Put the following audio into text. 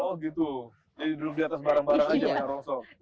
oh gitu jadi dulu di atas bareng bareng aja jangan rongsok